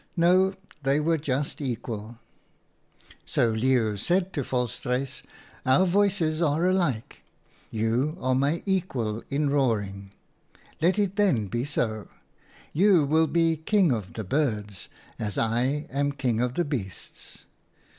No, they were just equal. " So Leeuw said to Volstruis, ' Our voices are alike. You are my equal in roaring. Let it then be so. You will be King of the Birds as I am King of the Beasts.